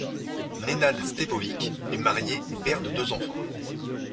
Nenad Stevović est marié et père de deux enfants.